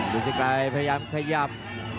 ฤทธิไกรพยายามขยับ